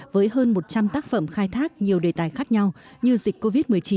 với hơn một trăm linh tác phẩm khai thác nhiều đề tài khác nhau như dịch covid một mươi chín